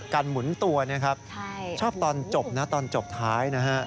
หมุนตัวนะครับชอบตอนจบนะตอนจบท้ายนะฮะ